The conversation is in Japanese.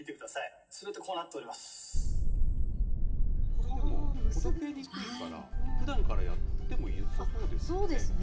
ほどけにくいから、ふだんからやってもよさそうですよね。